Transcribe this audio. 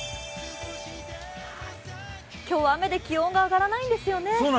今日、雨で気温が上がらないんですよね。